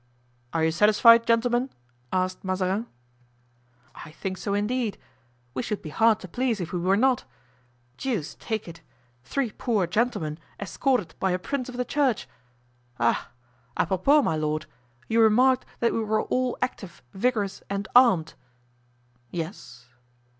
"Are you satisfied, gentlemen?" asked Mazarin. "I think so, indeed; we should be hard to please if we were not. Deuce take it! three poor gentlemen escorted by a prince of the church! Ah! apropos, my lord! you remarked that we were all active, vigorous and armed." "Yes."